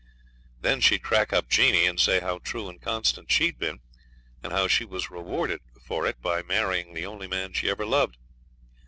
Then she'd crack up Jeanie, and say how true and constant she'd been, and how she was rewarded for it by marrying the only man she ever loved.